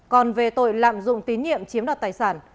còn về tội lạm dụng tín nhiệm chiếm đoạt tài sản